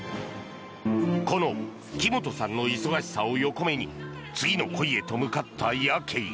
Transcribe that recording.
この木本さんの忙しさを横目に次へと向かったヤケイ。